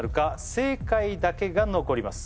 正解だけが残ります